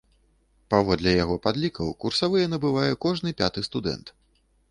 Паводле яго падлікаў, курсавыя набывае кожны пяты студэнт.